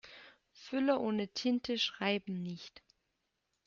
Füller ohne Tinte schreiben nicht.